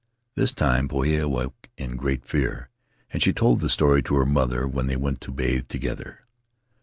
"This time Poia awoke in great fear, and she told the story to her mother when they went to bathe to gether.